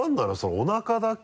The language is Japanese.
おなかだけ。